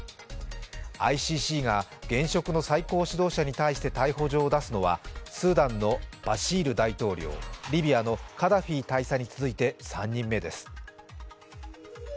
ＩＣＣが現職の最高指導者に対して逮捕状を出すのはスーダンのバシール大統領、リビアのカダフィ大佐に次いで３人目です。